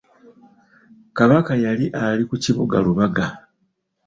Kabaka yali ali ku kibuga Rubaga.